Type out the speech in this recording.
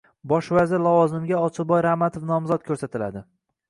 Bosh vazir lavozimiga Ochilboy Ramatov nomzod ko'rsatiladi...